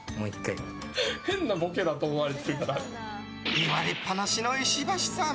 言われっぱなしの石橋さん。